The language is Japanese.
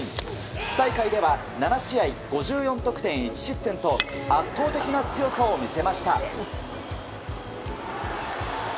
府大会では７試合５４得点１失点と圧倒的な強さを見せました。